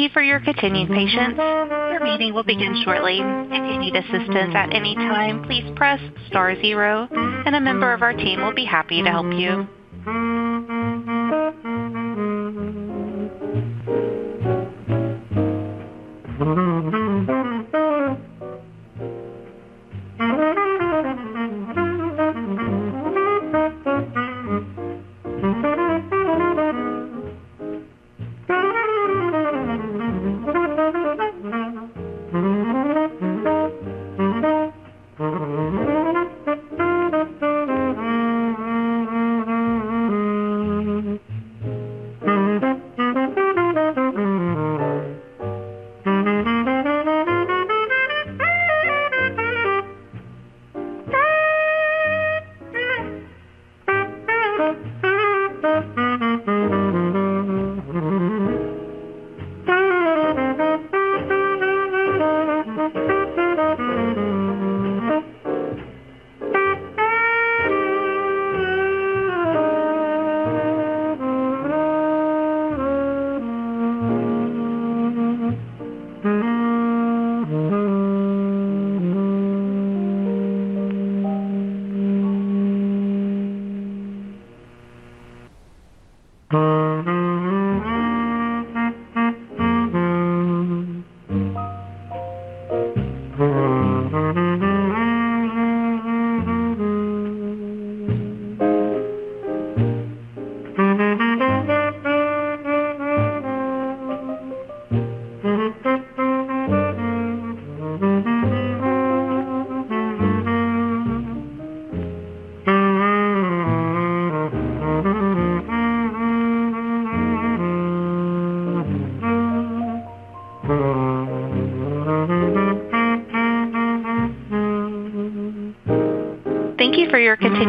Thank you for your continued patience. Your meeting will begin shortly. If you need assistance at any time, please press star zero, and a member of our team will be happy to help you.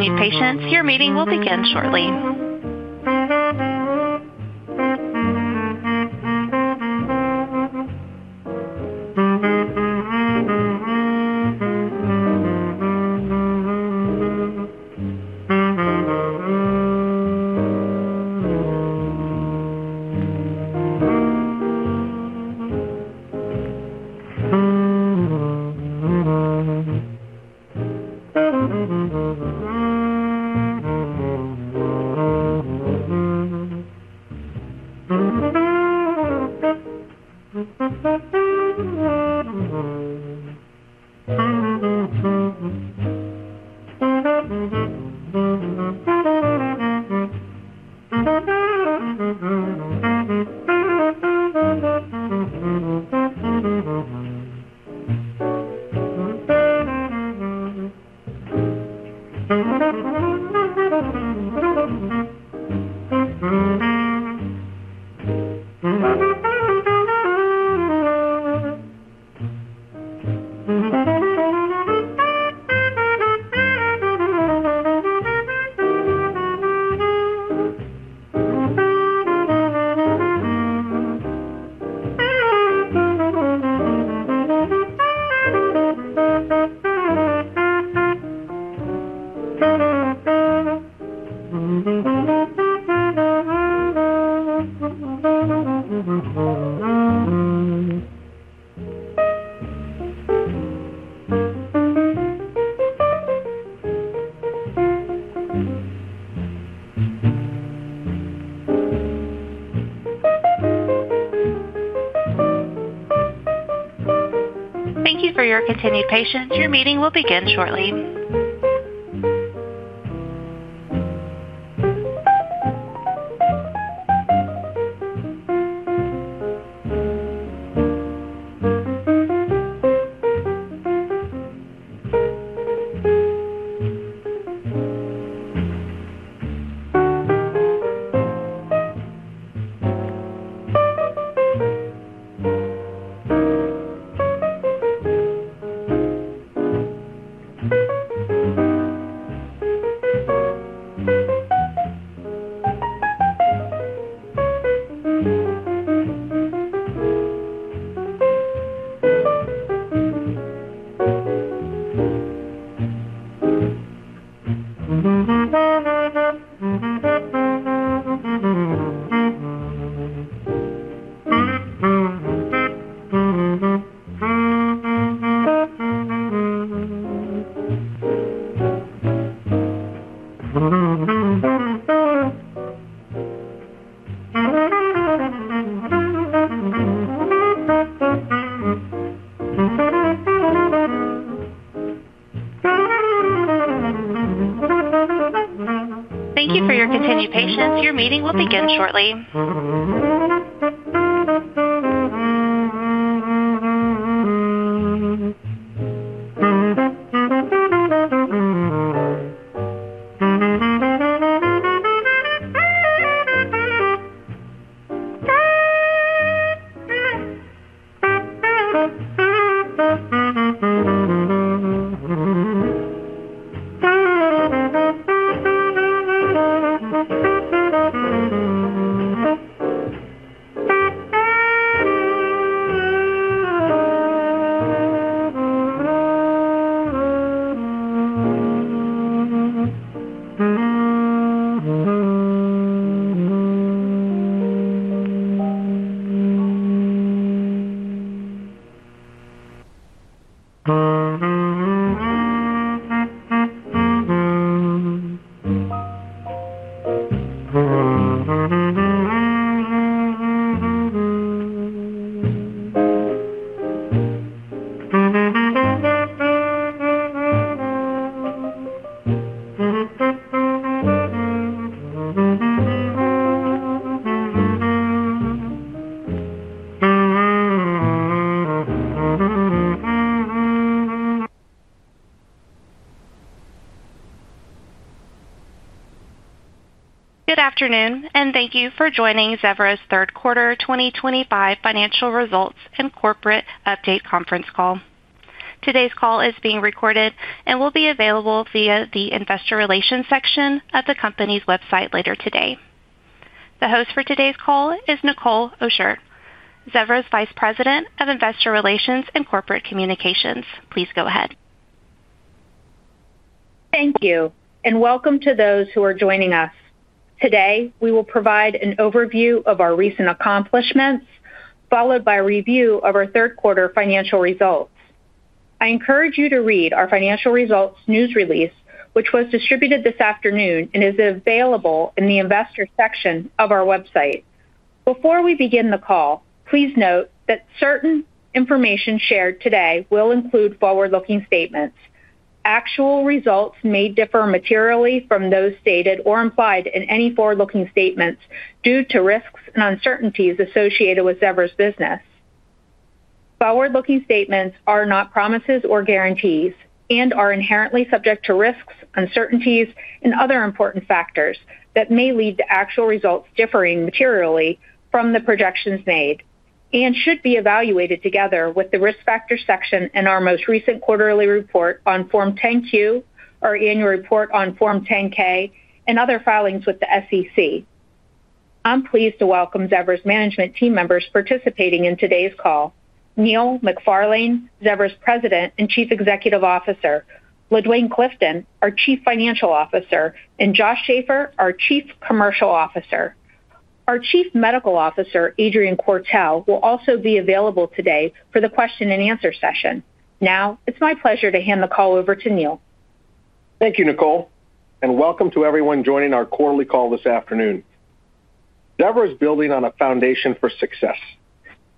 Thank you for your continued patience. Your meeting will begin shortly. Thank you for your continued patience. Your meeting will begin shortly. Thank you for your continued patience. Your meeting will begin shortly. Good afternoon, and thank you for joining Zevra's Third Quarter 2025 Financial Results and Corporate Update Conference Call. Today's call is being recorded and will be available via the Investor Relations section of the company's website later today. The host for today's call is Nichol Ochsner, Zevra's Vice President of Investor Relations and Corporate Communications. Please go ahead. Thank you, and welcome to those who are joining us. Today, we will provide an overview of our recent accomplishments, followed by a review of our third quarter financial results. I encourage you to read our financial results news release, which was distributed this afternoon and is available in the Investor section of our website. Before we begin the call, please note that certain information shared today will include forward-looking statements. Actual results may differ materially from those stated or implied in any forward-looking statements due to risks and uncertainties associated with Zevra's business. Forward-looking statements are not promises or guarantees and are inherently subject to risks, uncertainties, and other important factors that may lead to actual results differing materially from the projections made, and should be evaluated together with the risk factor section in our most recent quarterly report on Form 10-Q, our annual report on Form 10-K, and other filings with the SEC. I'm pleased to welcome Zevra's management team members participating in today's call: Neil McFarlane, Zevra's President and Chief Executive Officer, LaDuane Clifton, our Chief Financial Officer, and Josh Schafer, our Chief Commercial Officer. Our Chief Medical Officer, Adrian Quartel, will also be available today for the question-and-answer session. Now, it's my pleasure to hand the call over to Neil. Thank you, Nichol, and welcome to everyone joining our quarterly call this afternoon. Zevra is building on a foundation for success.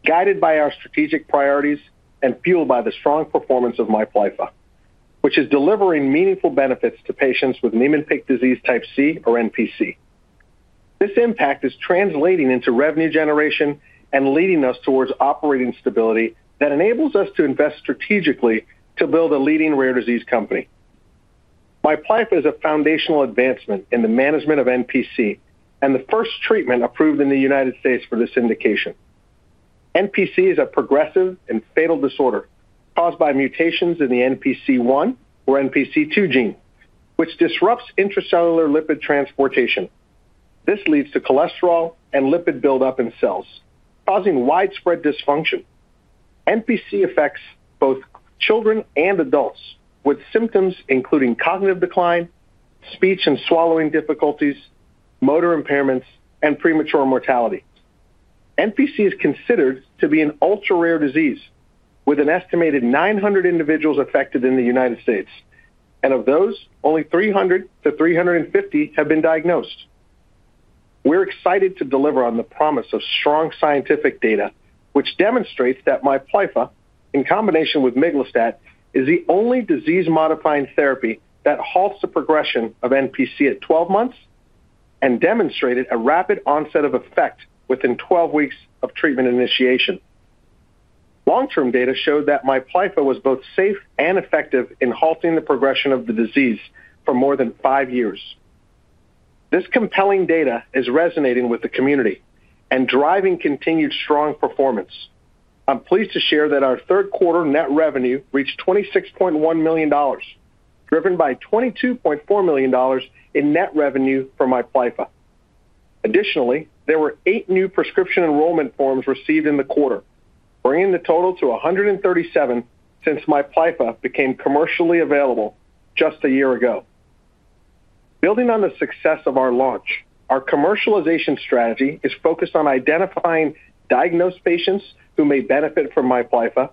Guided by our strategic priorities and fueled by the strong performance of MIPLYFFA, which is delivering meaningful benefits to patients with Niemann-Pick Disease Type C, or NPC. This impact is translating into revenue generation and leading us towards operating stability that enables us to invest strategically to build a leading rare disease company. MIPLYFFA is a foundational advancement in the management of NPC and the first treatment approved in the United States for this indication. NPC is a progressive and fatal disorder caused by mutations in the NPC1 or NPC2 gene, which disrupts intracellular lipid transportation. This leads to cholesterol and lipid buildup in cells, causing widespread dysfunction. NPC affects both children and adults with symptoms including cognitive decline, speech and swallowing difficulties, motor impairments, and premature mortality. NPC is considered to be an ultra-rare disease, with an estimated 900 individuals affected in the United States, and of those, only 300-350 have been diagnosed. We're excited to deliver on the promise of strong scientific data, which demonstrates that MIPLYFFA, in combination with miglustat, is the only disease-modifying therapy that halts the progression of NPC at 12 months and demonstrated a rapid onset of effect within 12 weeks of treatment initiation. Long-term data showed that MIPLYFFA was both safe and effective in halting the progression of the disease for more than five years. This compelling data is resonating with the community and driving continued strong performance. I'm pleased to share that our third quarter net revenue reached $26.1 million, driven by $22.4 million in net revenue for MIPLYFFA. Additionally, there were eight new prescription enrollment forms received in the quarter, bringing the total to 137 since MIPLYFFA became commercially available just a year ago. Building on the success of our launch, our commercialization strategy is focused on identifying diagnosed patients who may benefit from MIPLYFFA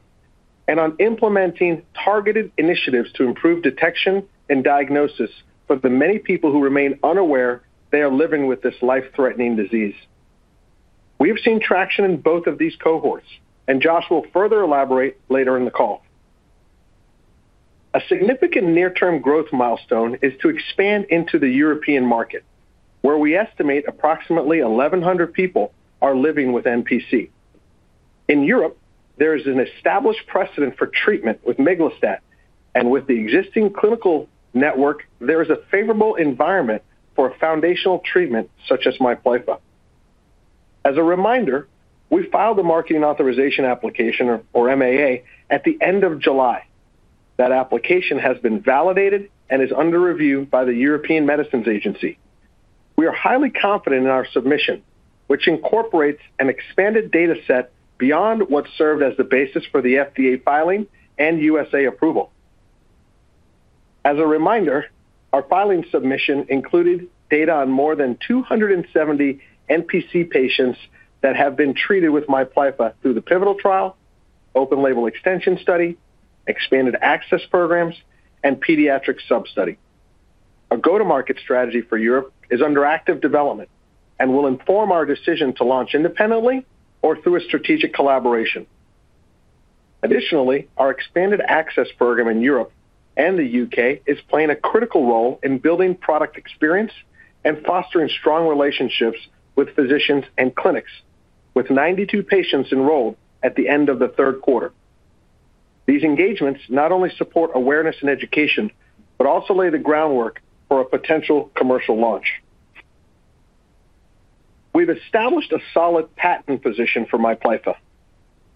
and on implementing targeted initiatives to improve detection and diagnosis for the many people who remain unaware they are living with this life-threatening disease. We've seen traction in both of these cohorts, and Josh will further elaborate later in the call. A significant near-term growth milestone is to expand into the European market, where we estimate approximately 1,100 people are living with NPC. In Europe, there is an established precedent for treatment with miglustat, and with the existing clinical network, there is a favorable environment for foundational treatment such as MIPLYFFA. As a reminder, we filed the Marketing Authorization Application, or MAA, at the end of July. That application has been validated and is under review by the European Medicines Agency. We are highly confident in our submission, which incorporates an expanded data set beyond what served as the basis for the FDA filing and U.S. approval. As a reminder, our filing submission included data on more than 270 NPC patients that have been treated with MIPLYFFA through the Pivotal Trial, Open-Label Extension study, Expanded Access Programs, and Pediatric Sub-study. Our go-to-market strategy for Europe is under active development and will inform our decision to launch independently or through a strategic collaboration. Additionally, our Expanded Access Program in Europe and the U.K. is playing a critical role in building product experience and fostering strong relationships with physicians and clinics, with 92 patients enrolled at the end of the third quarter. These engagements not only support awareness and education but also lay the groundwork for a potential commercial launch. We've established a solid patent position for MIPLYFFA,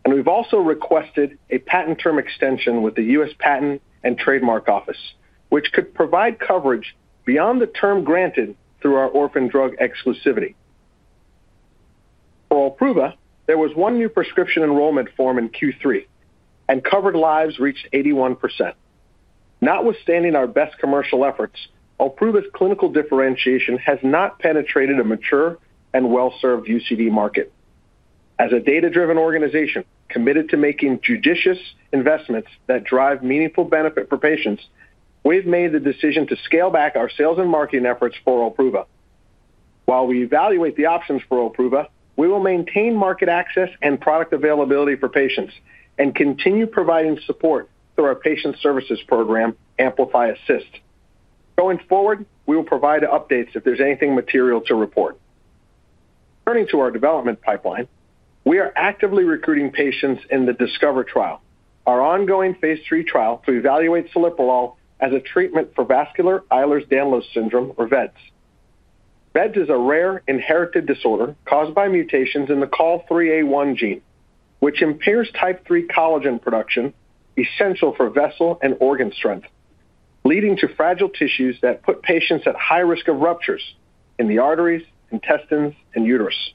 and we've also requested a patent term extension with the U.S. Patent and Trademark Office, which could provide coverage beyond the term granted through our orphan drug exclusivity. For OLPRUVA, there was one new prescription enrollment form in Q3, and covered lives reached 81%. Notwithstanding our best commercial efforts, OLPRUVA's clinical differentiation has not penetrated a mature and well-served UCD market. As a data-driven organization committed to making judicious investments that drive meaningful benefit for patients, we've made the decision to scale back our sales and marketing efforts for OLPRUVA. While we evaluate the options for OLPRUVA, we will maintain market access and product availability for patients and continue providing support through our patient services program, Amplify Assist. Going forward, we will provide updates if there's anything material to report. Turning to our development pipeline, we are actively recruiting patients in the DiSCOVER trial, our ongoing Phase 3 trial to evaluate Celiprolol as a treatment for Vascular Ehlers-Danlos Syndrome, or vEDS. vEDS is a rare inherited disorder caused by mutations in the COL3A1 gene, which impairs type III collagen production, essential for vessel and organ strength, leading to fragile tissues that put patients at high risk of ruptures in the arteries, intestines, and uterus.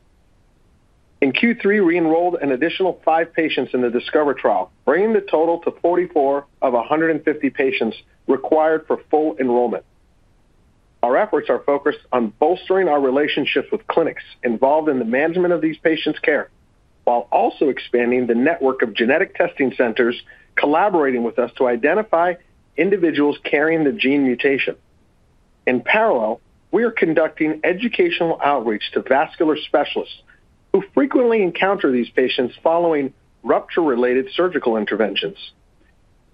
In Q3, we enrolled an additional five patients in the DiSCOVER trial, bringing the total to 44 of 150 patients required for full enrollment. Our efforts are focused on bolstering our relationships with clinics involved in the management of these patients' care, while also expanding the network of genetic testing centers collaborating with us to identify individuals carrying the gene mutation. In parallel, we are conducting educational outreach to vascular specialists who frequently encounter these patients following rupture-related surgical interventions.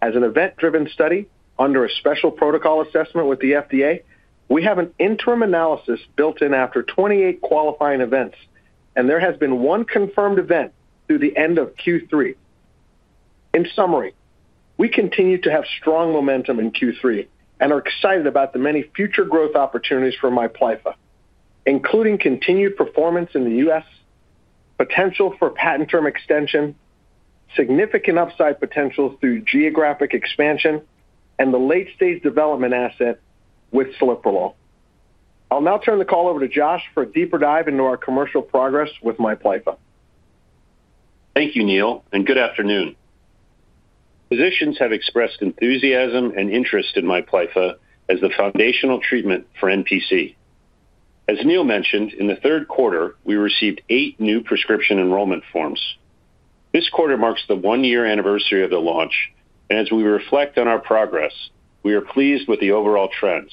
As an event-driven study under a special protocol assessment with the FDA, we have an interim analysis built in after 28 qualifying events, and there has been one confirmed event through the end of Q3. In summary, we continue to have strong momentum in Q3 and are excited about the many future growth opportunities for MIPLYFFA, including continued performance in the U.S., potential for patent term extension, significant upside potential through geographic expansion, and the late-stage development asset with Celiprolol. I'll now turn the call over to Josh for a deeper dive into our commercial progress with MIPLYFFA. Thank you, Neil, and good afternoon. Physicians have expressed enthusiasm and interest in MIPLYFFA as the foundational treatment for NPC. As Neil mentioned, in the third quarter, we received eight new prescription enrollment forms. This quarter marks the one-year anniversary of the launch, and as we reflect on our progress, we are pleased with the overall trends.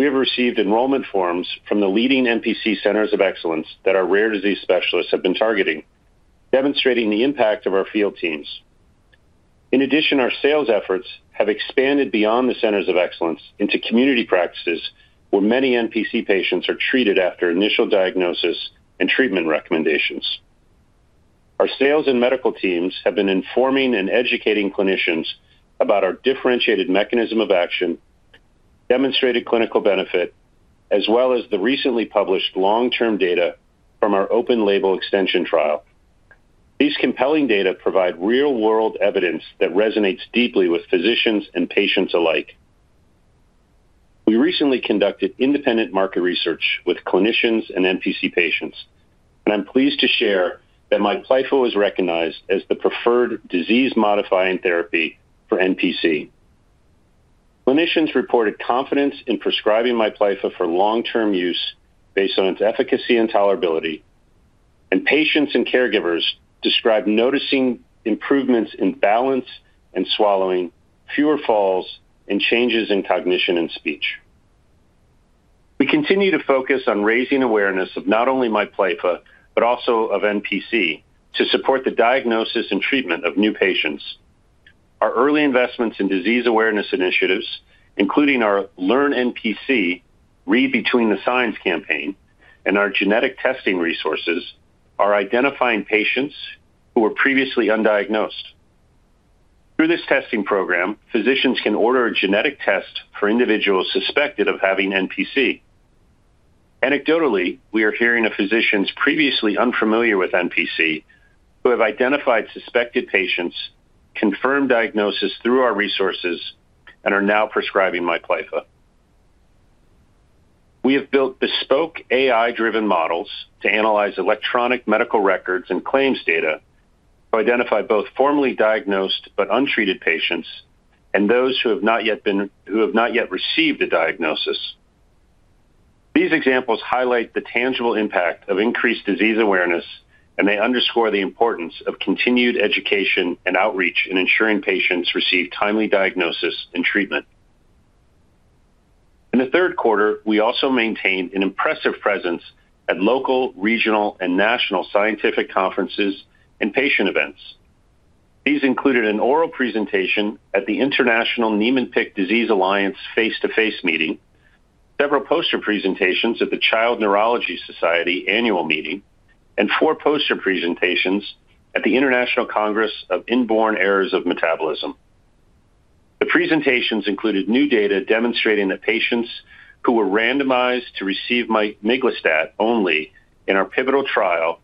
We have received enrollment forms from the leading NPC Centers of Excellence that our rare disease specialists have been targeting, demonstrating the impact of our field teams. In addition, our sales efforts have expanded beyond the Centers of Excellence into community practices where many NPC patients are treated after initial diagnosis and treatment recommendations. Our sales and medical teams have been informing and educating clinicians about our differentiated mechanism of action, demonstrated clinical benefit, as well as the recently published long-term data from our Open-Label Extension trial. These compelling data provide real-world evidence that resonates deeply with physicians and patients alike. We recently conducted independent market research with clinicians and NPC patients, and I'm pleased to share that MIPLYFFA was recognized as the preferred disease-modifying therapy for NPC. Clinicians reported confidence in prescribing MIPLYFFA for long-term use based on its efficacy and tolerability, and patients and caregivers described noticing improvements in balance and swallowing, fewer falls, and changes in cognition and speech. We continue to focus on raising awareness of not only MIPLYFFA but also of NPC to support the diagnosis and treatment of new patients. Our early investments in disease awareness initiatives, including our Learn NPC, Read Between the Signs campaign, and our genetic testing resources, are identifying patients who were previously undiagnosed. Through this testing program, physicians can order a genetic test for individuals suspected of having NPC. Anecdotally, we are hearing of physicians previously unfamiliar with NPC who have identified suspected patients, confirmed diagnosis through our resources, and are now prescribing MIPLYFFA. We have built bespoke AI-driven models to analyze electronic medical records and claims data to identify both formally diagnosed but untreated patients and those who have not yet received a diagnosis. These examples highlight the tangible impact of increased disease awareness, and they underscore the importance of continued education and outreach in ensuring patients receive timely diagnosis and treatment. In the third quarter, we also maintained an impressive presence at local, regional, and national scientific conferences and patient events. These included an oral presentation at the International Niemann-Pick Disease Alliance face-to-face meeting, several poster presentations at the Child Neurology Society annual meeting, and four poster presentations at the International Congress of Inborn Errors of Metabolism. The presentations included new data demonstrating that patients who were randomized to receive miglustat only in our Pivotal Trial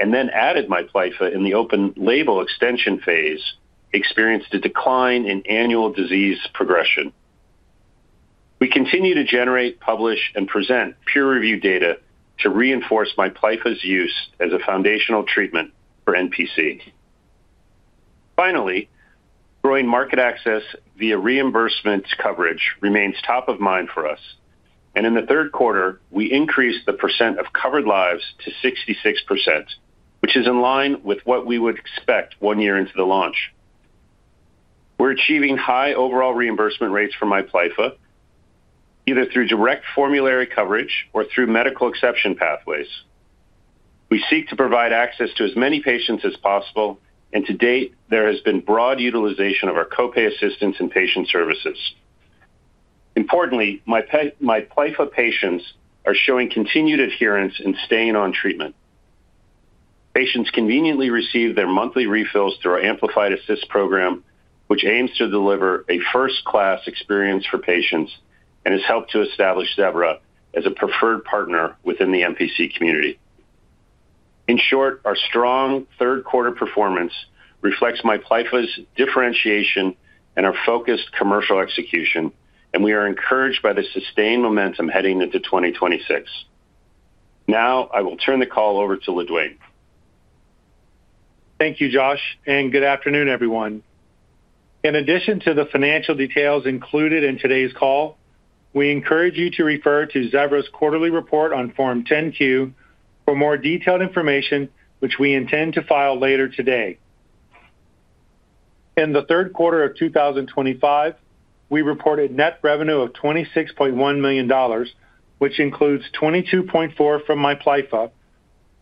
and then added MIPLYFFA in the Open-Label Extension phase experienced a decline in annual disease progression. We continue to generate, publish, and present peer-reviewed data to reinforce MIPLYFFA's use as a foundational treatment for NPC. Finally, growing market access via reimbursement coverage remains top of mind for us, and in the third quarter, we increased the percent of covered lives to 66%, which is in line with what we would expect one year into the launch. We are achieving high overall reimbursement rates for MIPLYFFA, either through direct formulary coverage or through medical exception pathways. We seek to provide access to as many patients as possible, and to date, there has been broad utilization of our copay assistance and patient services. Importantly, MIPLYFFA patients are showing continued adherence and staying on treatment. Patients conveniently receive their monthly refills through our Amplify Assist program, which aims to deliver a first-class experience for patients and has helped to establish Zevra as a preferred partner within the NPC community. In short, our strong third quarter performance reflects MIPLYFFA's differentiation and our focused commercial execution, and we are encouraged by the sustained momentum heading into 2026. Now, I will turn the call over to LaDuane. Thank you, Josh, and good afternoon, everyone. In addition to the financial details included in today's call, we encourage you to refer to Zevra's quarterly report on Form 10-Q for more detailed information, which we intend to file later today. In the third quarter of 2025, we reported net revenue of $26.1 million, which includes $22.4 million from MIPLYFFA,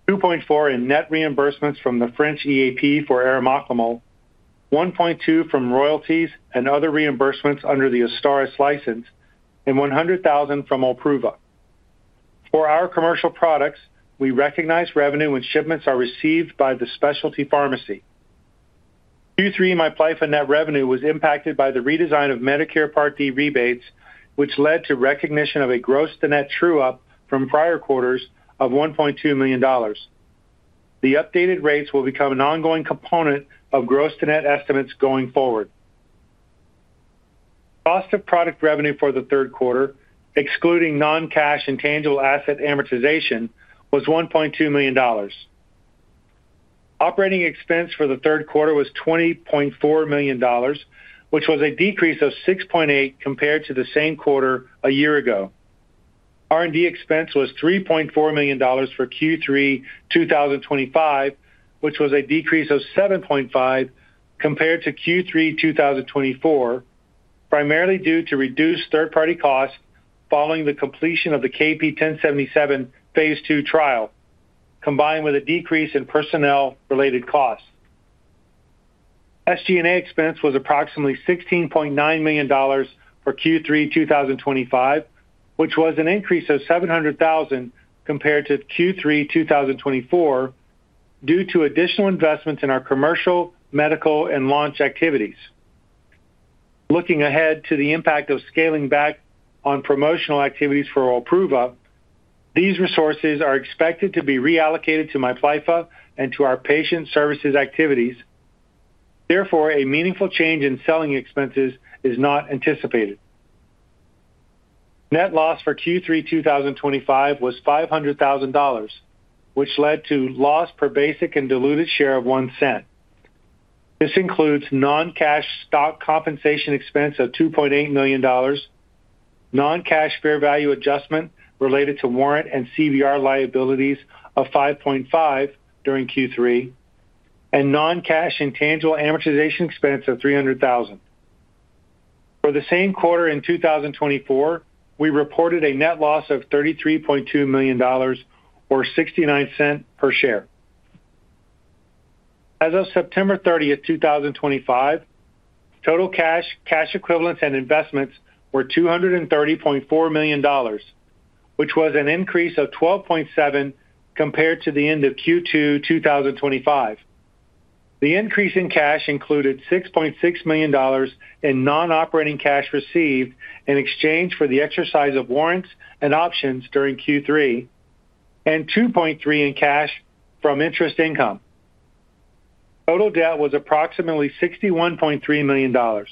$2.4 million in net reimbursements from the French EAP for arimoclomol, $1.2 million from royalties and other reimbursements under the AZSTARYS license, and $100,000 from OLPRUVA. For our commercial products, we recognize revenue when shipments are received by the specialty pharmacy. Q3 MIPLYFFA net revenue was impacted by the redesign of Medicare Part D rebates, which led to recognition of a gross-to-net true-up from prior quarters of $1.2 million. The updated rates will become an ongoing component of gross-to-net estimates going forward. Cost of product revenue for the third quarter, excluding non-cash intangible asset amortization, was $1.2 million. Operating expense for the third quarter was $20.4 million, which was a decrease of 6.8% compared to the same quarter a year ago. R&D expense was $3.4 million for Q3 2025, which was a decrease of 7.5% compared to Q3 2024. Primarily due to reduced third-party costs following the completion of the KP1077 Phase 2 trial, combined with a decrease in personnel-related costs. SG&A expense was approximately $16.9 million for Q3 2025, which was an increase of $700,000 compared to Q3 2024. Due to additional investments in our commercial, medical, and launch activities. Looking ahead to the impact of scaling back on promotional activities for OLPRUVA, these resources are expected to be reallocated to MIPLYFFA and to our patient services activities. Therefore, a meaningful change in selling expenses is not anticipated. Net loss for Q3 2025 was $500,000, which led to loss per basic and diluted share of $0.01. This includes non-cash stock compensation expense of $2.8 million. Non-cash fair value adjustment related to warrant and CVR liabilities of $5.5 million during Q3. Non-cash intangible amortization expense of $300,000. For the same quarter in 2024, we reported a net loss of $33.2 million, or $0.69 per share. As of September 30, 2025, total cash, cash equivalents, and investments were $230.4 million, which was an increase of 12.7% compared to the end of Q2 2025. The increase in cash included $6.6 million in non-operating cash received in exchange for the exercise of warrants and options during Q3, and $2.3 million in cash from interest income. Total debt was approximately $61.3 million.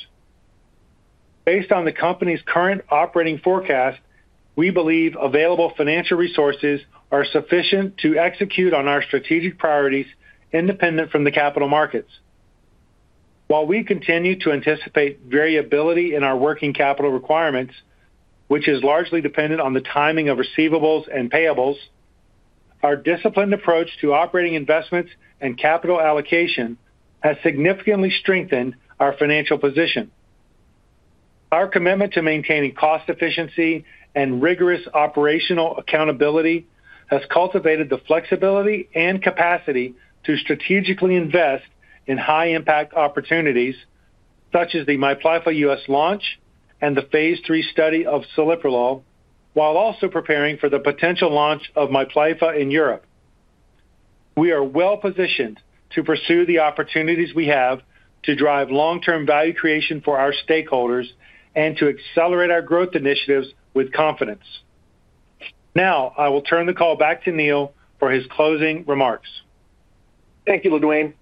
Based on the company's current operating forecast, we believe available financial resources are sufficient to execute on our strategic priorities independent from the capital markets. While we continue to anticipate variability in our working capital requirements, which is largely dependent on the timing of receivables and payables, our disciplined approach to operating investments and capital allocation has significantly strengthened our financial position. Our commitment to maintaining cost efficiency and rigorous operational accountability has cultivated the flexibility and capacity to strategically invest in high-impact opportunities such as the MIPLYFFA U.S. launch and the Phase 3 study of Celiprolol, while also preparing for the potential launch of MIPLYFFA in Europe. We are well positioned to pursue the opportunities we have to drive long-term value creation for our stakeholders and to accelerate our growth initiatives with confidence. Now, I will turn the call back to Neil for his closing remarks. Thank you, LaDuane.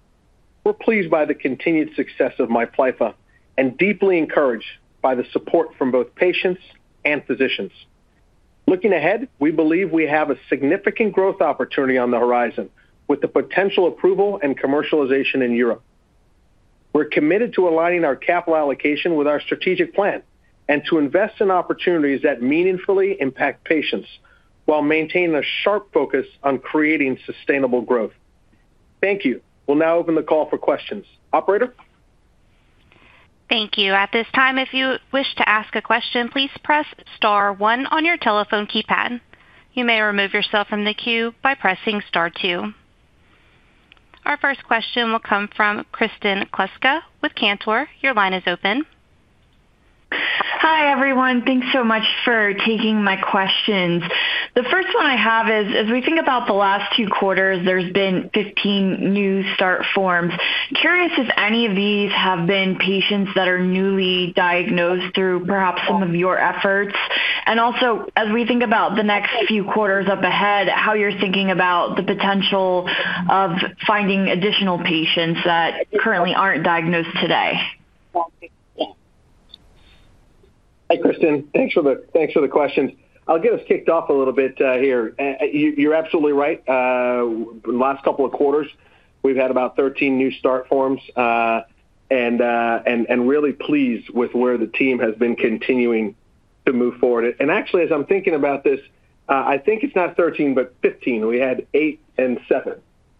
We're pleased by the continued success of MIPLYFFA and deeply encouraged by the support from both patients and physicians. Looking ahead, we believe we have a significant growth opportunity on the horizon with the potential approval and commercialization in Europe. We're committed to aligning our capital allocation with our strategic plan and to invest in opportunities that meaningfully impact patients while maintaining a sharp focus on creating sustainable growth. Thank you. We'll now open the call for questions. Operator. Thank you. At this time, if you wish to ask a question, please press star one on your telephone keypad. You may remove yourself from the queue by pressing star two. Our first question will come from Kristen Kluska with Cantor. Your line is open. Hi, everyone. Thanks so much for taking my questions. The first one I have is, as we think about the last two quarters, there's been 15 new start forms. Curious if any of these have been patients that are newly diagnosed through perhaps some of your efforts. Also, as we think about the next few quarters up ahead, how you're thinking about the potential of finding additional patients that currently aren't diagnosed today. Hi, Kristen. Thanks for the questions. I'll get us kicked off a little bit here. You're absolutely right. The last couple of quarters, we've had about 13 new start forms. I'm really pleased with where the team has been continuing to move forward. Actually, as I'm thinking about this, I think it's not 13 but 15. We had eight and seven.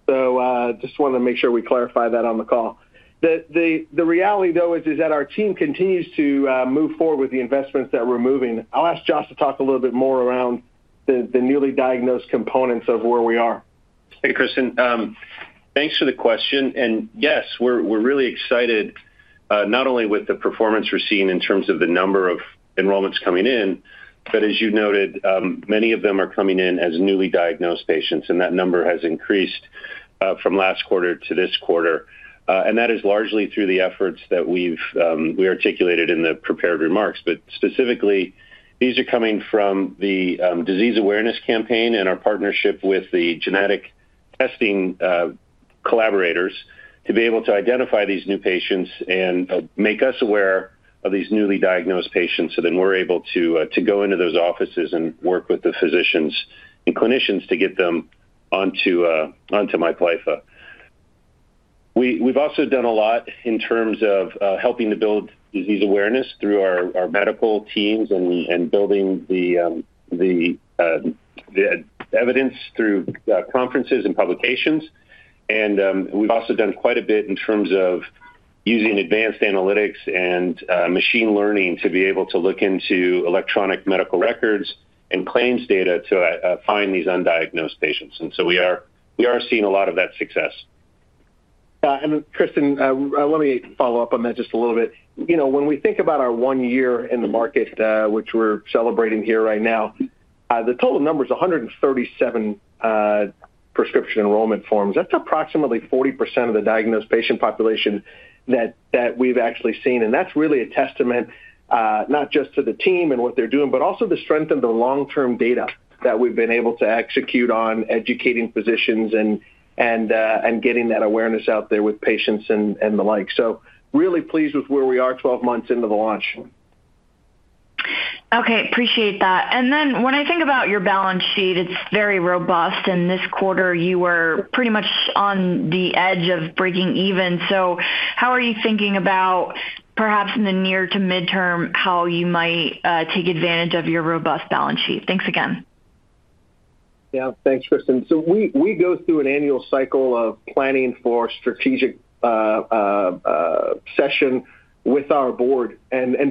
I just wanted to make sure we clarify that on the call. The reality, though, is that our team continues to move forward with the investments that we're moving. I'll ask Josh to talk a little bit more around the newly diagnosed components of where we are. Hey, Kristen. Thanks for the question. Yes, we're really excited. Not only with the performance we're seeing in terms of the number of enrollments coming in, but as you noted, many of them are coming in as newly diagnosed patients, and that number has increased from last quarter to this quarter. That is largely through the efforts that we've articulated in the prepared remarks. Specifically, these are coming from the disease awareness campaign and our partnership with the genetic testing collaborators to be able to identify these new patients and make us aware of these newly diagnosed patients so then we're able to go into those offices and work with the physicians and clinicians to get them onto MIPLYFFA. We've also done a lot in terms of helping to build disease awareness through our medical teams and building the evidence through conferences and publications. We have also done quite a bit in terms of using advanced analytics and machine learning to be able to look into electronic medical records and claims data to find these undiagnosed patients. We are seeing a lot of that success. Yeah. Kristen, let me follow up on that just a little bit. When we think about our one year in the market, which we're celebrating here right now, the total number is 137 prescription enrollment forms. That's approximately 40% of the diagnosed patient population that we've actually seen. That's really a testament not just to the team and what they're doing, but also the strength of the long-term data that we've been able to execute on educating physicians and getting that awareness out there with patients and the like. Really pleased with where we are 12 months into the launch. Okay. Appreciate that. When I think about your balance sheet, it is very robust. This quarter, you were pretty much on the edge of breaking even. How are you thinking about, perhaps in the near to midterm, how you might take advantage of your robust balance sheet? Thanks again. Yeah. Thanks, Kristen. We go through an annual cycle of planning for strategic session with our Board.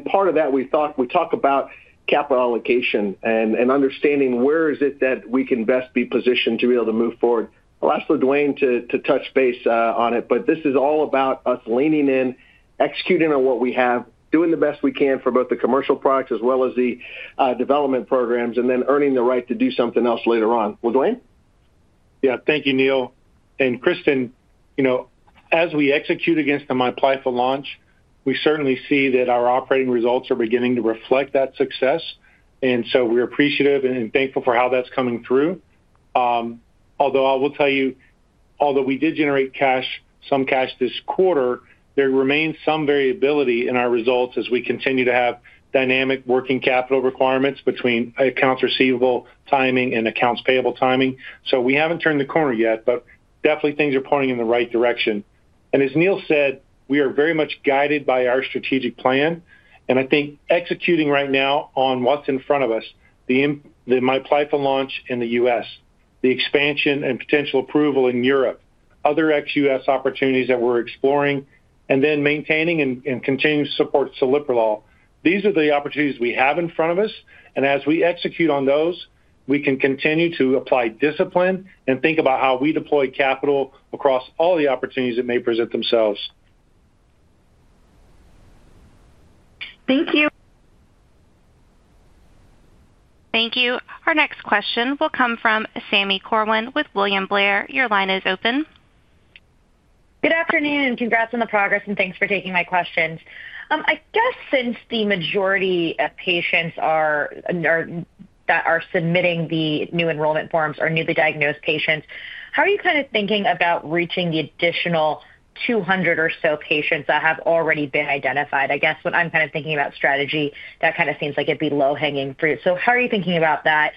Part of that, we talk about capital allocation and understanding where is it that we can best be positioned to be able to move forward. I'll ask Duane to touch base on it, but this is all about us leaning in, executing on what we have, doing the best we can for both the commercial products as well as the development programs, and then earning the right to do something else later on. LaDuane? Yeah. Thank you, Neil. And Kristen. As we execute against the MIPLYFFA launch, we certainly see that our operating results are beginning to reflect that success. We are appreciative and thankful for how that's coming through. Although I will tell you, although we did generate some cash this quarter, there remains some variability in our results as we continue to have dynamic working capital requirements between accounts receivable timing and accounts payable timing. We have not turned the corner yet, but definitely things are pointing in the right direction. As Neil said, we are very much guided by our strategic plan. I think executing right now on what's in front of us, the MIPLYFFA launch in the U.S., the expansion and potential approval in Europe, other ex-U.S. opportunities that we're exploring, and then maintaining and continuing to support Celiprolol. These are the opportunities we have in front of us. As we execute on those, we can continue to apply discipline and think about how we deploy capital across all the opportunities that may present themselves. Thank you. Thank you. Our next question will come from Sami Corwin with William Blair. Your line is open. Good afternoon and congrats on the progress, and thanks for taking my questions. I guess since the majority of patients that are submitting the new enrollment forms are newly diagnosed patients, how are you kind of thinking about reaching the additional 200 or so patients that have already been identified? I guess when I'm kind of thinking about strategy, that kind of seems like it'd be low-hanging fruit. How are you thinking about that?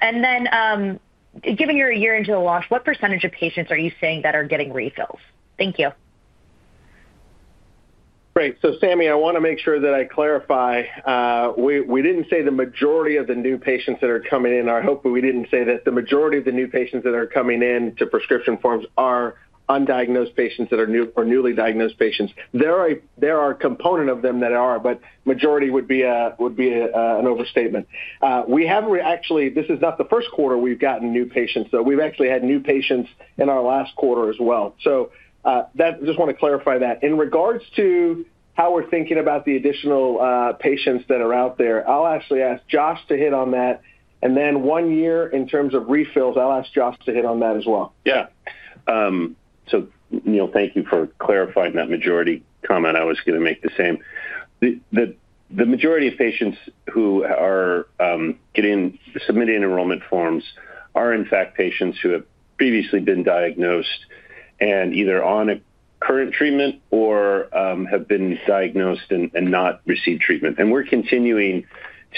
Given you're a year into the launch, what percentage of patients are you saying that are getting refills? Thank you. Great. Sami, I want to make sure that I clarify. We did not say the majority of the new patients that are coming in, I hope, but we did not say that the majority of the new patients that are coming in to prescription forms are undiagnosed patients that are new or newly diagnosed patients. There are a component of them that are, but majority would be an overstatement. We have not actually—this is not the first quarter we have gotten new patients. We have actually had new patients in our last quarter as well. I just want to clarify that. In regards to how we are thinking about the additional patients that are out there, I will actually ask Josh to hit on that. One year in terms of refills, I will ask Josh to hit on that as well. Yeah. Neil, thank you for clarifying that majority comment. I was going to make the same. The majority of patients who are submitting enrollment forms are, in fact, patients who have previously been diagnosed and either on current treatment or have been diagnosed and not received treatment. We're continuing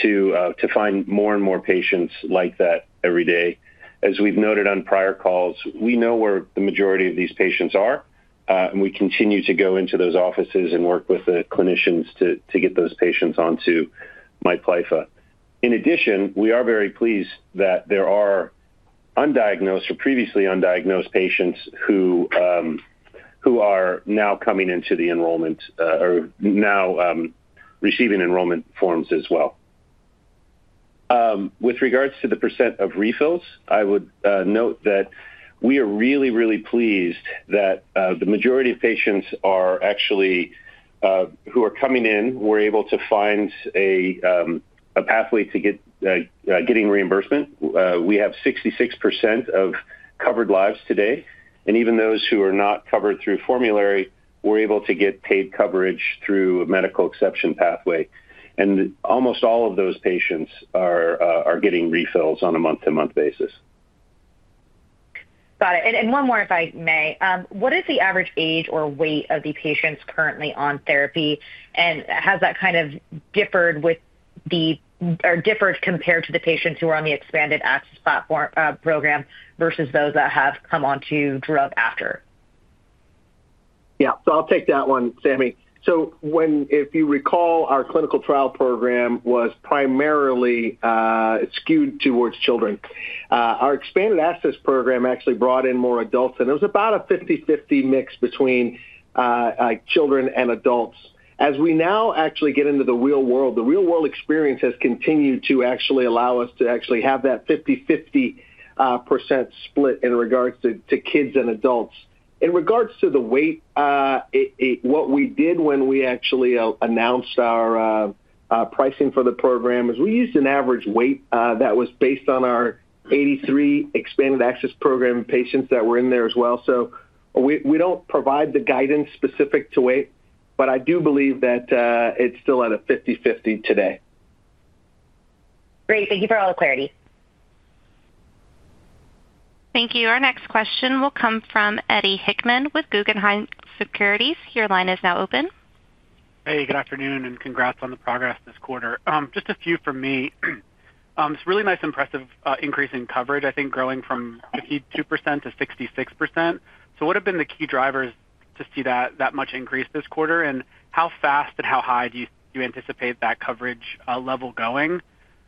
to find more and more patients like that every day. As we've noted on prior calls, we know where the majority of these patients are, and we continue to go into those offices and work with the clinicians to get those patients onto MIPLYFFA. In addition, we are very pleased that there are undiagnosed or previously undiagnosed patients who are now coming into the enrollment or now receiving enrollment forms as well. With regards to the percent of refills, I would note that we are really, really pleased that the majority of patients are actually. Who are coming in, we're able to find a pathway to getting reimbursement. We have 66% of covered lives today. Even those who are not covered through formulary, we're able to get paid coverage through a medical exception pathway. Almost all of those patients are getting refills on a month-to-month basis. Got it. And one more, if I may. What is the average age or weight of the patients currently on therapy? And has that kind of differed with the—or differed compared to the patients who are on the Expanded Access Program versus those that have come onto drug after? Yeah. I'll take that one, Sami. If you recall, our clinical trial program was primarily skewed towards children. Our Expanded Access Program actually brought in more adults. It was about a 50/50 mix between children and adults. As we now actually get into the real world, the real-world experience has continued to actually allow us to actually have that 50/50 percent split in regards to kids and adults. In regards to the weight, what we did when we actually announced our pricing for the program is we used an average weight that was based on our 83 expanded access program patients that were in there as well. We don't provide the guidance specific to weight, but I do believe that it's still at a 50/50 today. Great. Thank you for all the clarity. Thank you. Our next question will come from Eddie Hickman with Guggenheim Securities. Your line is now open. Hey, good afternoon and congrats on the progress this quarter. Just a few from me. It's really nice and impressive increase in coverage, I think, growing from 52% to 66%. What have been the key drivers to see that much increase this quarter? How fast and how high do you anticipate that coverage level going?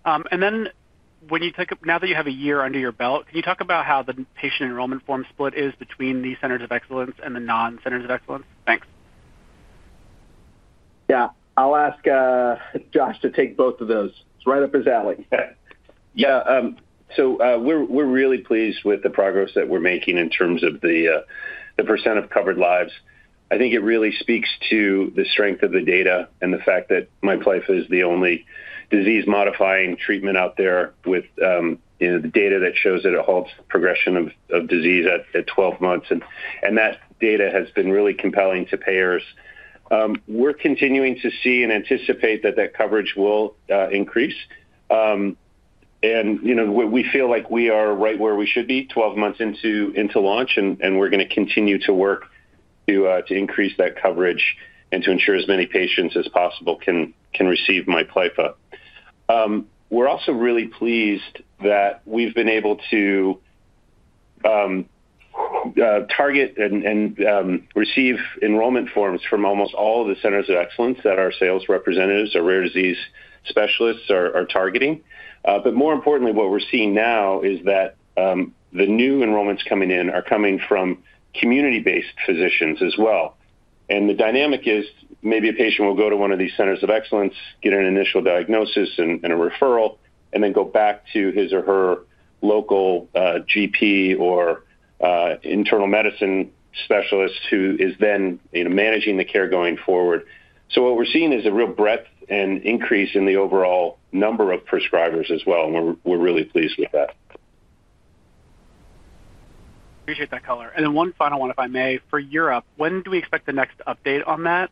Now that you have a year under your belt, can you talk about how the patient enrollment form split is between the centers of excellence and the non-center of excellence? Thanks. Yeah. I'll ask Josh to take both of those. It's right up his alley. Yeah. We're really pleased with the progress that we're making in terms of the percent of covered lives. I think it really speaks to the strength of the data and the fact that MIPLYFFA is the only disease-modifying treatment out there with the data that shows that it halts progression of disease at 12 months. That data has been really compelling to payers. We're continuing to see and anticipate that that coverage will increase. We feel like we are right where we should be 12 months into launch, and we're going to continue to work to increase that coverage and to ensure as many patients as possible can receive MIPLYFFA. We're also really pleased that we've been able to target and receive enrollment forms from almost all of the Centers of Excellence that our sales representatives, our rare disease specialists, are targeting. More importantly, what we're seeing now is that the new enrollments coming in are coming from community-based physicians as well. The dynamic is maybe a patient will go to one of these Centers of Excellence, get an initial diagnosis and a referral, and then go back to his or her local GP or internal medicine specialist who is then managing the care going forward. What we're seeing is a real breadth and increase in the overall number of prescribers as well. We're really pleased with that. Appreciate that, color. One final one, if I may. For Europe, when do we expect the next update on that?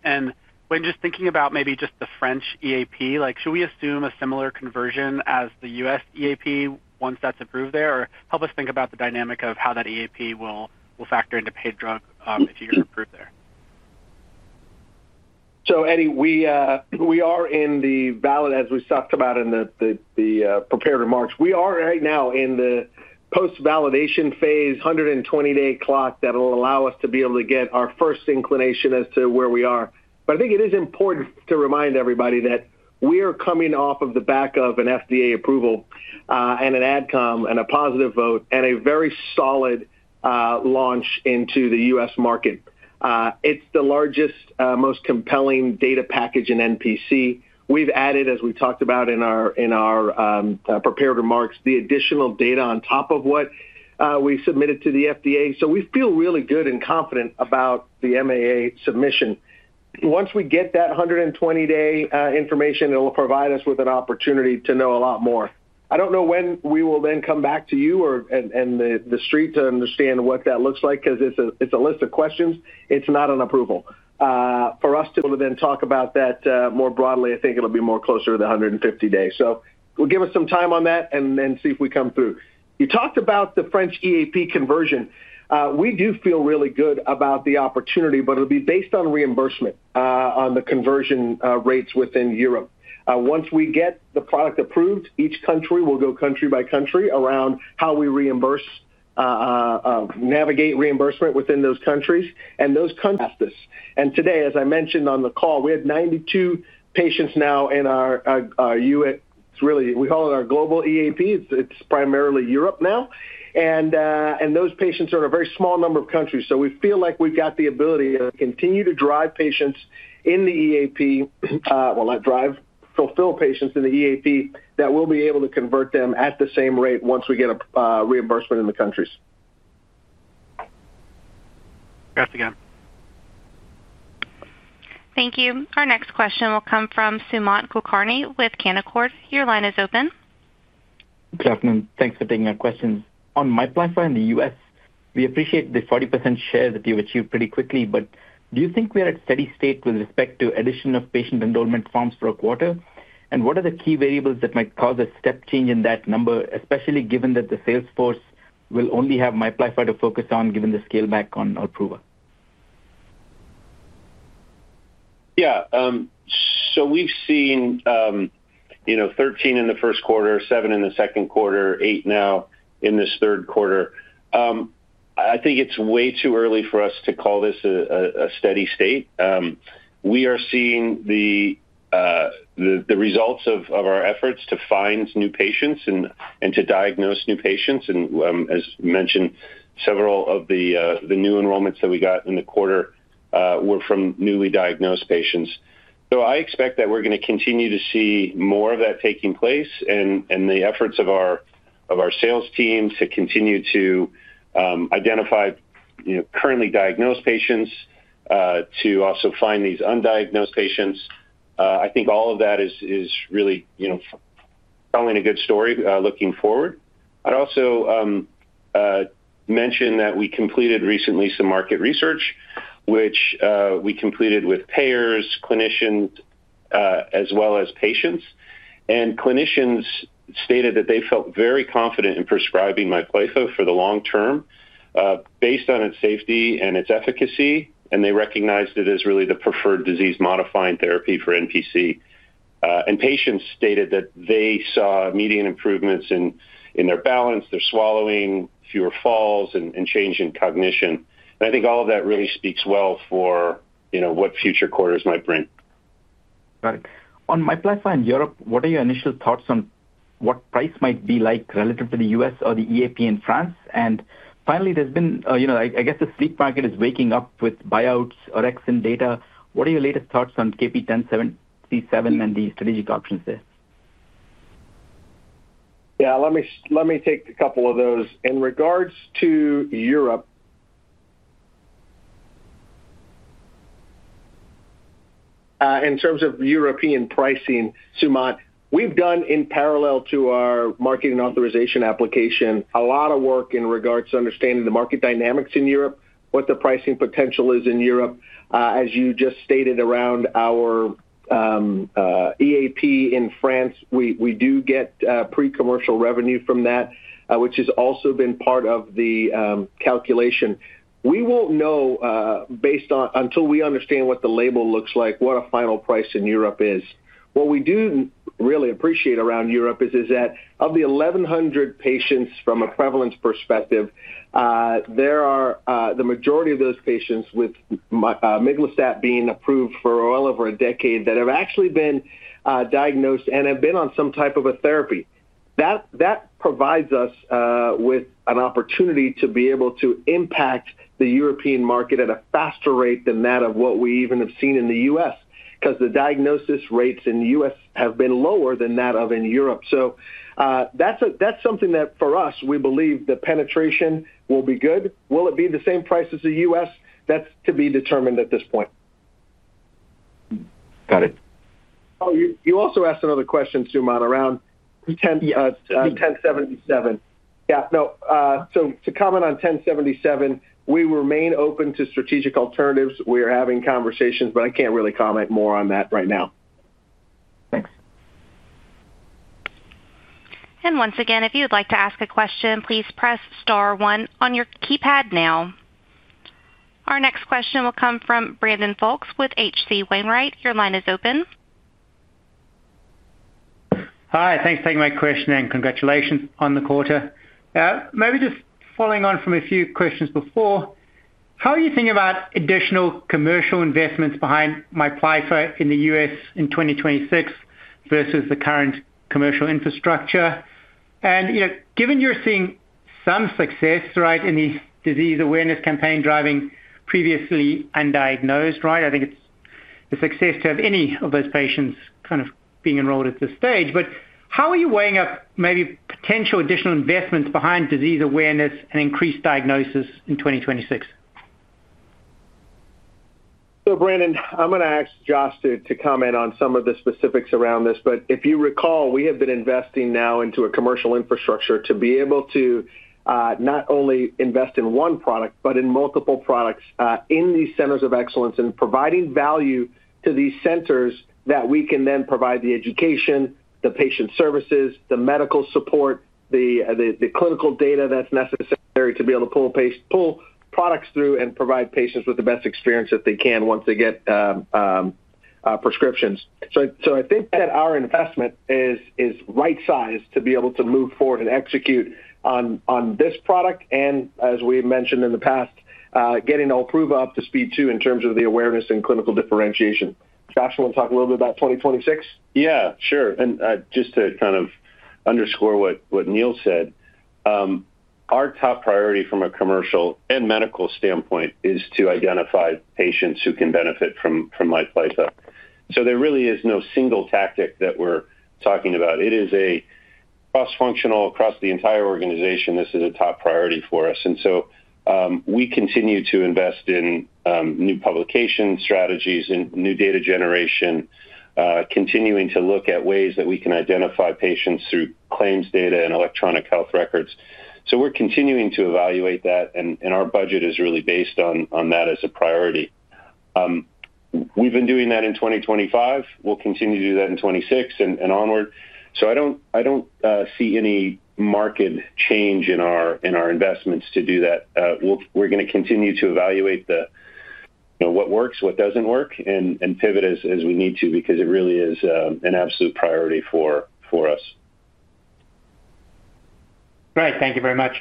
When just thinking about maybe just the French EAP, should we assume a similar conversion as the U.S. EAP once that's approved there? Help us think about the dynamic of how that EAP will factor into paid drug if you get approved there. Eddie, we are in the valid, as we talked about in the prepared remarks. We are right now in the post-validation phase, 120-day clock that will allow us to be able to get our first inclination as to where we are. I think it is important to remind everybody that we are coming off of the back of an FDA approval and an AdCom and a positive vote and a very solid launch into the U.S. market. It is the largest, most compelling data package in NPC. We have added, as we talked about in our prepared remarks, the additional data on top of what we submitted to the FDA. We feel really good and confident about the MAA submission. Once we get that 120-day information, it will provide us with an opportunity to know a lot more. I don't know when we will then come back to you and the street to understand what that looks like because it's a list of questions. It's not an approval. For us to be able to then talk about that more broadly, I think it'll be more closer to the 150 days. We'll give us some time on that and then see if we come through. You talked about the French EAP conversion. We do feel really good about the opportunity, but it'll be based on reimbursement on the conversion rates within Europe. Once we get the product approved, each country will go country by country around how we reimburse. Navigate reimbursement within those countries. And those countries. Aspice. Today, as I mentioned on the call, we had 92 patients now in our U.S. It's really—we call it our global EAP. It's primarily Europe now. Those patients are in a very small number of countries. We feel like we've got the ability to continue to drive patients in the EAP—well, not drive, fulfill patients in the EAP that we'll be able to convert them at the same rate once we get reimbursement in the countries. Thanks again. Thank you. Our next question will come from Sumant Kulkarni with Canaccord. Your line is open. Good afternoon. Thanks for taking our questions. On MIPLYFFA in the U.S., we appreciate the 40% share that you've achieved pretty quickly, but do you think we are at a steady state with respect to the addition of patient enrollment forms for a quarter? What are the key variables that might cause a step change in that number, especially given that the sales force will only have MIPLYFFA to focus on given the scale back on OLPRUVA? Yeah. So we've seen 13 in the first quarter, seven in the second quarter, eight now in this third quarter. I think it's way too early for us to call this a steady state. We are seeing the results of our efforts to find new patients and to diagnose new patients. As mentioned, several of the new enrollments that we got in the quarter were from newly diagnosed patients. I expect that we're going to continue to see more of that taking place and the efforts of our sales team to continue to identify currently diagnosed patients, to also find these undiagnosed patients. I think all of that is really telling a good story looking forward. I'd also mention that we completed recently some market research, which we completed with payers, clinicians, as well as patients. Clinicians stated that they felt very confident in prescribing MIPLYFFA for the long term. Based on its safety and its efficacy, they recognized it as really the preferred disease-modifying therapy for NPC. Patients stated that they saw immediate improvements in their balance, their swallowing, fewer falls, and change in cognition. I think all of that really speaks well for what future quarters might bring. Got it. On MIPLYFFA in Europe, what are your initial thoughts on what price might be like relative to the U.S. or the EAP in France? Finally, there's been—I guess the sleep market is waking up with buyouts or X in data. What are your latest thoughts on KP1077 and the strategic options there? Yeah. Let me take a couple of those. In regards to Europe. In terms of European pricing, Sumant, we've done in parallel to our marketing authorization application a lot of work in regards to understanding the market dynamics in Europe, what the pricing potential is in Europe. As you just stated around our EAP in France, we do get pre-commercial revenue from that, which has also been part of the calculation. We won't know until we understand what the label looks like, what a final price in Europe is. What we do really appreciate around Europe is that of the 1,100 patients from a prevalence perspective, there are the majority of those patients with miglustat being approved for well over a decade that have actually been diagnosed and have been on some type of a therapy. That provides us with an opportunity to be able to impact the European market at a faster rate than that of what we even have seen in the U.S. because the diagnosis rates in the U.S. have been lower than that of in Europe. That is something that for us, we believe the penetration will be good. Will it be the same price as the U.S.? That is to be determined at this point. Got it. Oh, you also asked another question, Sumant, around 1077. Yeah. No. To comment on 1077, we remain open to strategic alternatives. We are having conversations, but I can't really comment more on that right now. Thanks. Once again, if you'd like to ask a question, please press star one on your keypad now. Our next question will come from Brandon Folkes with HC Wainwright. Your line is open. Hi. Thanks for taking my question and congratulations on the quarter. Maybe just following on from a few questions before, how are you thinking about additional commercial investments behind MIPLYFFA in the U.S. in 2026 versus the current commercial infrastructure? And given you're seeing some success, right, in the disease awareness campaign driving previously undiagnosed, right? I think it's a success to have any of those patients kind of being enrolled at this stage. How are you weighing up maybe potential additional investments behind disease awareness and increased diagnosis in 2026? Brandon, I'm going to ask Josh to comment on some of the specifics around this. If you recall, we have been investing now into a commercial infrastructure to be able to not only invest in one product, but in multiple products in these centers of excellence and providing value to these centers that we can then provide the education, the patient services, the medical support, the clinical data that's necessary to be able to pull products through and provide patients with the best experience that they can once they get prescriptions. I think that our investment is right-sized to be able to move forward and execute on this product. As we mentioned in the past, getting all approval up to speed too in terms of the awareness and clinical differentiation. Josh, you want to talk a little bit about 2026? Yeah. Sure. Just to kind of underscore what Neil said. Our top priority from a commercial and medical standpoint is to identify patients who can benefit from MIPLYFFA. There really is no single tactic that we're talking about. It is cross-functional across the entire organization. This is a top priority for us. We continue to invest in new publication strategies and new data generation. Continuing to look at ways that we can identify patients through claims data and electronic health records. We're continuing to evaluate that, and our budget is really based on that as a priority. We've been doing that in 2025. We'll continue to do that in 2026 and onward. I don't see any market change in our investments to do that. We're going to continue to evaluate what works, what doesn't work, and pivot as we need to because it really is an absolute priority for us. Great. Thank you very much.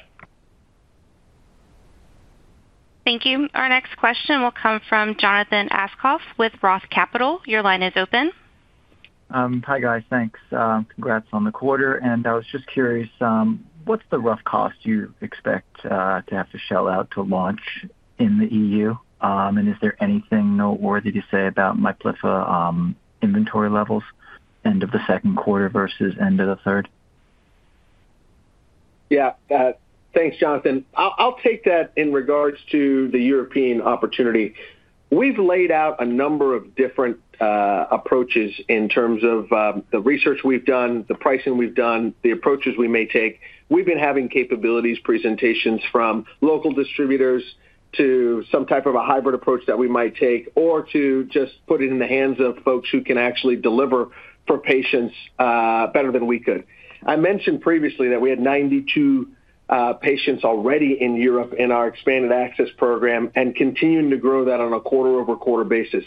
Thank you. Our next question will come from Jonathan Aschoff with Roth Capital. Your line is open. Hi guys. Thanks. Congrats on the quarter. I was just curious, what's the rough cost you expect to have to shell out to launch in the EU? Is there anything noteworthy to say about MIPLYFFA inventory levels end of the second quarter versus end of the third? Yeah. Thanks, Jonathan. I'll take that in regards to the European opportunity. We've laid out a number of different approaches in terms of the research we've done, the pricing we've done, the approaches we may take. We've been having capabilities presentations from local distributors to some type of a hybrid approach that we might take or to just put it in the hands of folks who can actually deliver for patients better than we could. I mentioned previously that we had 92 patients already in Europe in our expanded access program and continuing to grow that on a quarter-over-quarter basis.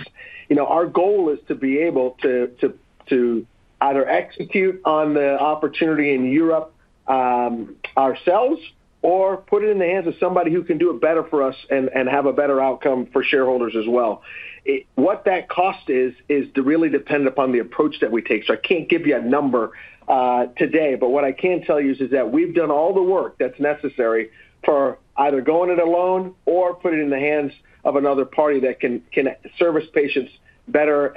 Our goal is to be able to either execute on the opportunity in Europe ourselves or put it in the hands of somebody who can do it better for us and have a better outcome for shareholders as well. What that cost is, is really dependent upon the approach that we take. So I can't give you a number today, but what I can tell you is that we've done all the work that's necessary for either going it alone or putting it in the hands of another party that can service patients better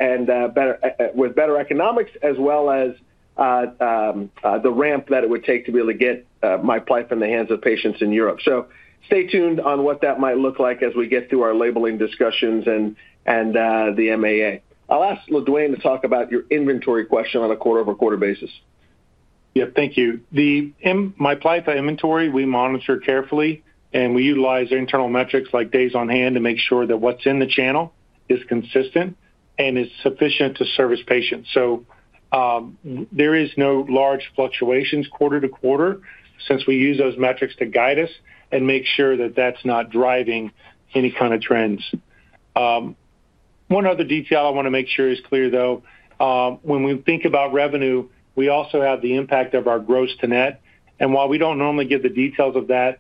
with better economics as well as the ramp that it would take to be able to get MIPLYFFA in the hands of patients in Europe. So stay tuned on what that might look like as we get through our labeling discussions and the MAA. I'll ask LaDuane to talk about your inventory question on a quarter-over-quarter basis. Yeah. Thank you. The my pipeline inventory, we monitor carefully, and we utilize internal metrics like days on hand to make sure that what's in the channel is consistent and is sufficient to service patients. There are no large fluctuations quarter-to-quarter since we use those metrics to guide us and make sure that that's not driving any kind of trends. One other detail I want to make sure is clear, though. When we think about revenue, we also have the impact of our gross to net. While we do not normally give the details of that,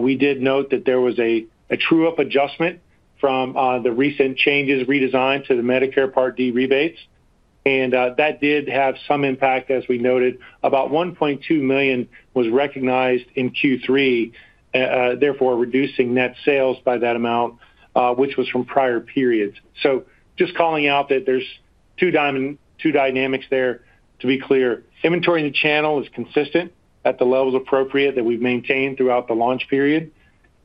we did note that there was a true-up adjustment from the recent changes redesigned to the Medicare Part D rebates. That did have some impact, as we noted. About $1.2 million was recognized in Q3, therefore reducing net sales by that amount, which was from prior periods. Just calling out that there's two dynamics there to be clear. Inventory in the channel is consistent at the levels appropriate that we've maintained throughout the launch period.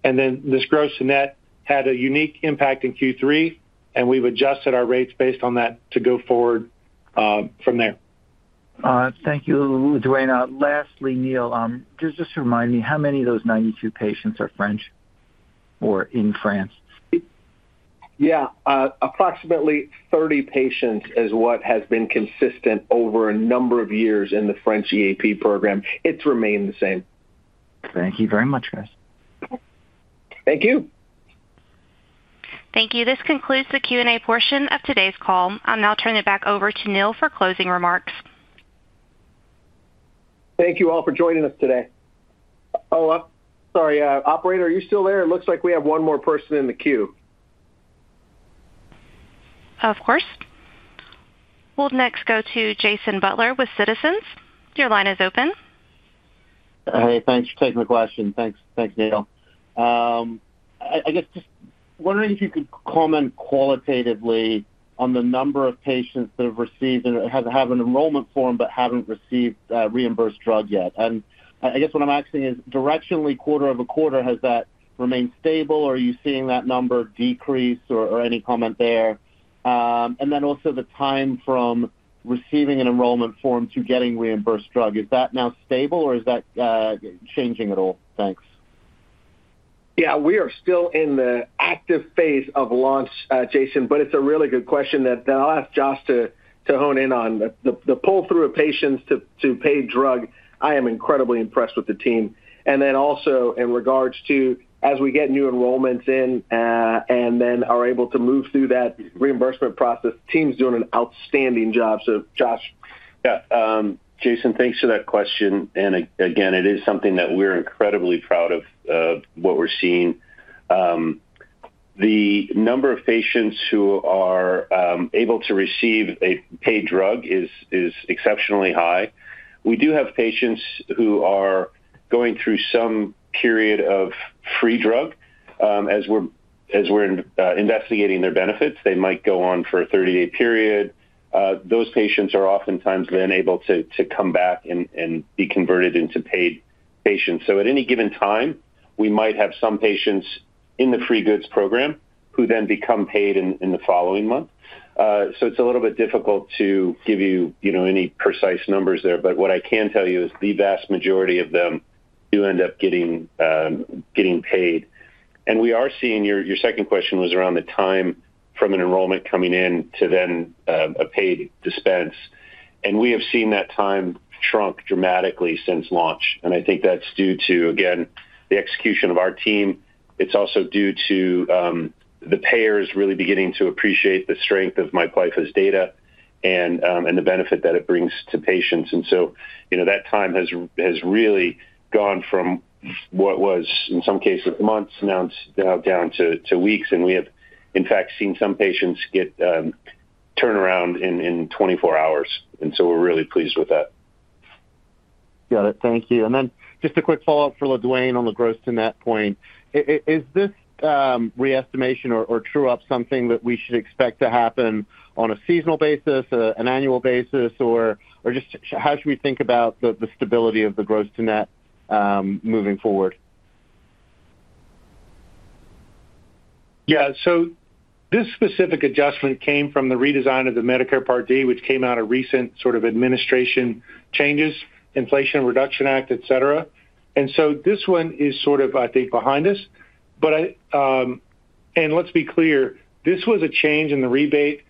This gross to net had a unique impact in Q3, and we've adjusted our rates based on that to go forward. From there. All right. Thank you, Duane. Lastly, Neil, just remind me, how many of those 92 patients are French or in France? Yeah. Approximately 30 patients is what has been consistent over a number of years in the French EAP Program. It's remained the same. Thank you very much, guys. Thank you. Thank you. This concludes the Q&A portion of today's call. I'll now turn it back over to Neil for closing remarks. Thank you all for joining us today. Oh, sorry. Operator, are you still there? It looks like we have one more person in the queue. Of course. We'll next go to Jason Butler with Citizens. Your line is open. Hey, thanks for taking the question. Thanks, Neil. I guess just wondering if you could comment qualitatively on the number of patients that have received and have an enrollment form but have not received reimbursed drug yet. I guess what I am asking is, directionally, quarter-over-quarter, has that remained stable, or are you seeing that number decrease or any comment there? Also, the time from receiving an enrollment form to getting reimbursed drug, is that now stable, or is that changing at all? Thanks. Yeah. We are still in the active phase of launch, Jason, but it's a really good question that I'll ask Josh to hone in on. The pull-through of patients to pay drug, I am incredibly impressed with the team. Also, in regards to as we get new enrollments in and then are able to move through that reimbursement process, the team's doing an outstanding job. So Josh. Yeah. Jason, thanks for that question. Again, it is something that we're incredibly proud of, what we're seeing. The number of patients who are able to receive a paid drug is exceptionally high. We do have patients who are going through some period of free drug. As we're investigating their benefits, they might go on for a 30-day period. Those patients are oftentimes then able to come back and be converted into paid patients. At any given time, we might have some patients in the free goods program who then become paid in the following month. It is a little bit difficult to give you any precise numbers there, but what I can tell you is the vast majority of them do end up getting paid. We are seeing your second question was around the time from an enrollment coming in to then a paid dispense. We have seen that time shrunk dramatically since launch. I think that's due to, again, the execution of our team. It's also due to the payers really beginning to appreciate the strength of MIPLYFFA's data and the benefit that it brings to patients. That time has really gone from what was, in some cases, months now down to weeks. We have, in fact, seen some patients get turnaround in 24 hours. We're really pleased with that. Got it. Thank you. And then just a quick follow-up for LaDuane on the gross to net point. Is this re-estimation or true-up something that we should expect to happen on a seasonal basis, an annual basis, or just how should we think about the stability of the gross to net moving forward? Yeah. So this specific adjustment came from the redesign of the Medicare Part D, which came out of recent sort of administration changes, Inflation Reduction Act, et cetera. This one is sort of, I think, behind us. Let's be clear, this was a change in the rebate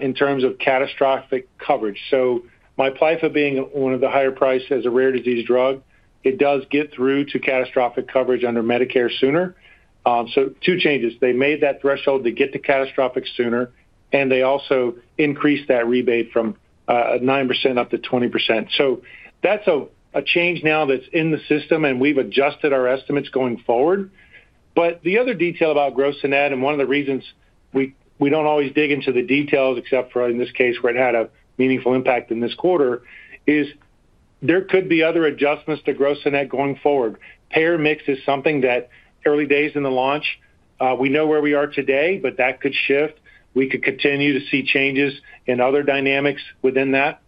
in terms of catastrophic coverage. MIPLYFFA being one of the higher prices as a rare disease drug, it does get through to catastrophic coverage under Medicare sooner. Two changes. They made that threshold to get to catastrophic sooner, and they also increased that rebate from 9% up to 20%. That is a change now that is in the system, and we have adjusted our estimates going forward. The other detail about gross to net, and one of the reasons we do not always dig into the details except for in this case where it had a meaningful impact in this quarter, is there could be other adjustments to gross to net going forward. Payer mix is something that, early days in the launch, we know where we are today, but that could shift. We could continue to see changes in other dynamics within that.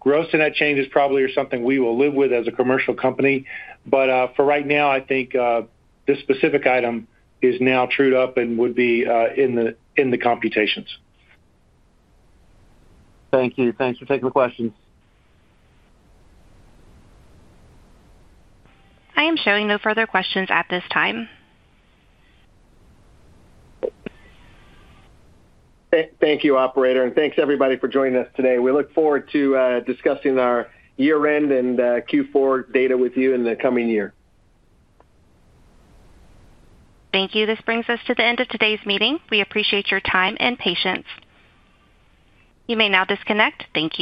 Gross to net changes probably are something we will live with as a commercial company. For right now, I think this specific item is now trued up and would be in the computations. Thank you. Thanks for taking the questions. I am showing no further questions at this time. Thank you, Operator. Thank you, everybody, for joining us today. We look forward to discussing our year-end and Q4 data with you in the coming year. Thank you. This brings us to the end of today's meeting. We appreciate your time and patience. You may now disconnect. Thank you.